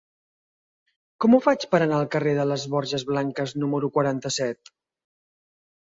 Com ho faig per anar al carrer de les Borges Blanques número quaranta-set?